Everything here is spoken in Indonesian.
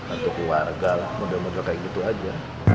untuk warga lah mudah mudahan kayak gitu aja